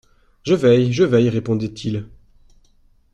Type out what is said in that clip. Je veille, je veille, répondait-il.